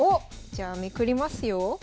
じゃあめくりますよ。